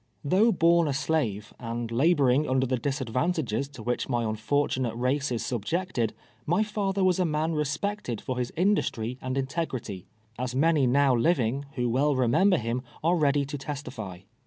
Though born a slave, and laboring under the disad vantages to which .my unfortunate race is subjected, my father was a man respected for his industry and integrity, as many now living, who well remember him, are ready to testify.